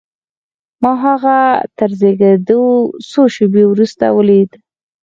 ما هغه تر زېږېدو څو شېبې وروسته وليد.